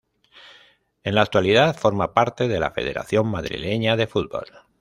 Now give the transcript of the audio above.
En la actualidad, forma parte de la Federación Madrileña de Fútbol.